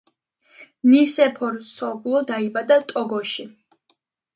ნისეფორ სოგლო დაიბადა ტოგოში.